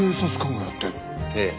ええ。